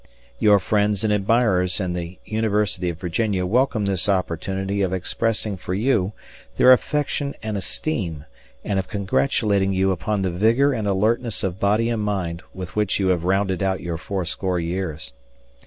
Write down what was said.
Your friends and admirers in the University of Virginia welcome this opportunity of expressing for you their affection and esteem and of congratulating you upon the vigor and alertness of body and mind with which you have rounded out your fourscore years.